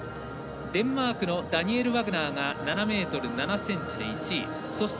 デンマークのダニエル・ワグナー７ｍ７ｃｍ。